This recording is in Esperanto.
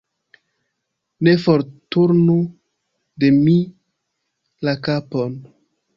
Ne forturnu de mi la kapon.